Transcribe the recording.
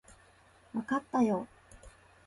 わかったよ